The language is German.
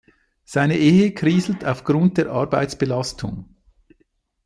Seine Ehe kriselt aufgrund der Arbeitsbelastung.